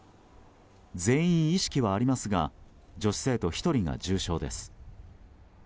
全員、意識はありますが女子生徒１人が重症です。